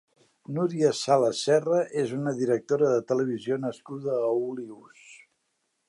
Núria Sala Serra és una directora de televisió nascuda a Olius.